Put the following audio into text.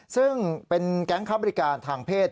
ซึ่งเป็นแก๊งค้าบริการทางเพศ